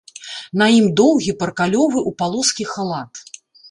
На ім доўгі паркалёвы ў палоскі халат.